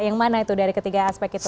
yang mana itu dari ketiga aspek itu